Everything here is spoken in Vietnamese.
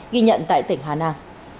ghi nhận tại tỉnh hà nam